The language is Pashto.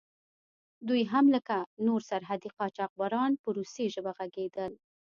دوی هم لکه نور سرحدي قاچاقبران په روسي ژبه غږېدل.